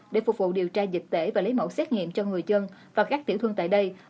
để phục vụ điều tra dịch tễ và lấy mẫu xét nghiệm cho người dân và các tiểu thương tại đây